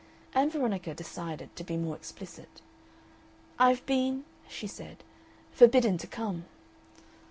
Ann Veronica decided to be more explicit. "I've been," she said, "forbidden to come."